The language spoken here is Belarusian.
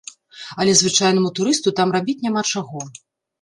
Але звычайнаму турысту там рабіць няма чаго.